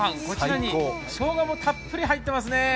こちらにしょうがもたっぷり入っていますね。